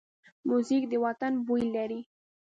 موزیک د وطن بوی لري.